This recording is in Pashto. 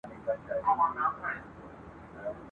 زوی یې غوښتی خیر یې نه غوښتی !.